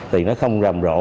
thì nó không rầm rộ